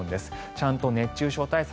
ちゃんと熱中症対策。